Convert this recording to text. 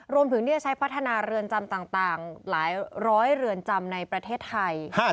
รวมถึงที่จะใช้พัฒนาเรือนจำต่างหลายร้อยเรือนจำในประเทศไทย